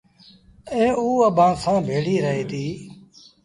ائيٚݩٚ اوٚ اڀآنٚ سآݩٚ ڀيڙيٚ رهي ديٚ